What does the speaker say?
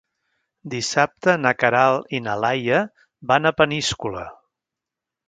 Dissabte na Queralt i na Laia van a Peníscola.